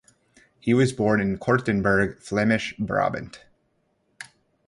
He was born in Kortenberg, Flemish Brabant.